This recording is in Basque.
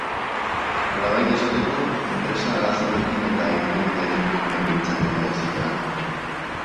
Nolabait esateko, enpresa arazoarekin eta irtenbidearekin joango litzateke auzitara.